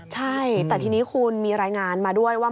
ใช่แต่ทีนี้คุณมีรายงานมาด้วยว่า